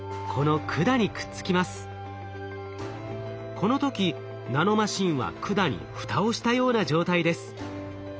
この時ナノマシンは管に蓋をしたような状態です。